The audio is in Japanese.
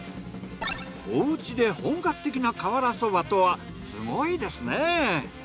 お家で本格的な瓦そばとはすごいですね。